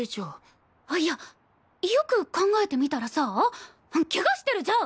いやよく考えてみたらさケガしてるじゃん！